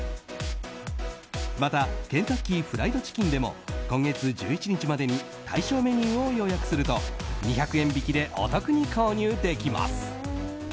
またケンタッキーフライドチキンでも今月１１日までに対象メニューを予約すると２００円引きでお得に購入できます。